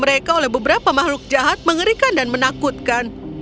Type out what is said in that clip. mereka menangis karena beberapa makhluk jahat mengerikan dan menakutkan